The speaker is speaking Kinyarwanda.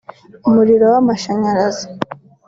umuriro w’amashanyarazi